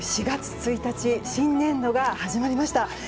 ４月１日新年度が始まりました。